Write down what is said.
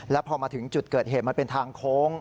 แล้วพอมาถึงจุดเกิดเหตุมันเป็นทางโค้ง